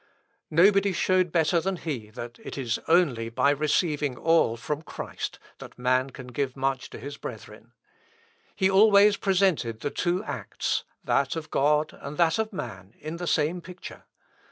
Nobody showed better than he that it is only by receiving all from Christ that man can give much to his brethren. He always presented the two acts, that of God and that of man, in the same picture.